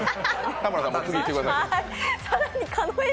田村さん、次いってください